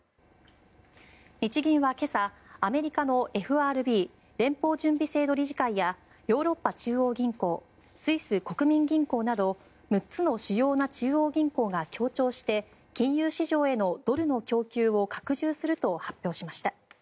日銀は今朝、アメリカのＦＲＢ・連邦準備制度理事会やヨーロッパ中央銀行スイス国民銀行など６つの主要な中央銀行が協調して金融市場へのドルの供給を拡充すると発表しました。